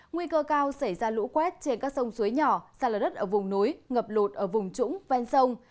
nguy cơ cao xảy ra lũ quét trên các sông suối nhỏ xa lở đất ở vùng núi ngập lụt ở vùng trũng ven sông